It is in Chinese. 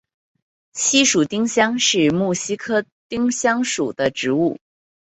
西蜀丁香是木犀科丁香属的植物。